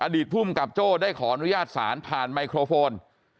อดีตภูมิกับโจ้ได้ขออนุญาตสารผ่านไมโครโฟน